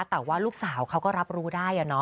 แต่ว่าลูกสาวเขาก็รับรู้ได้